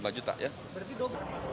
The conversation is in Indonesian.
berarti doang berapa